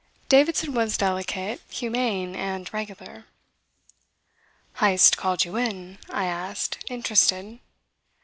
Davidson was delicate, humane, and regular. "Heyst called you in?" I asked, interested.